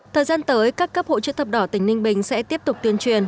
thời gian tới các cấp hội chức thập đỏ tỉnh ninh bình sẽ tiếp tục tuyên truyền